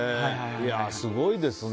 すごいですね。